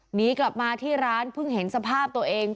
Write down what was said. หนีกลับมาที่ร้านเพิ่งเห็นสภาพตัวเอง